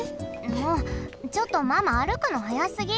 もうちょっとママ歩くの速すぎ。